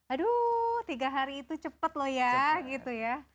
aduh tiga hari itu cepat loh ya